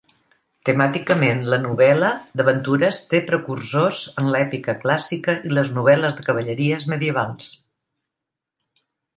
Temàticament, la novel·la d'aventures té precursors en l'èpica clàssica i les novel·les de cavalleries medievals.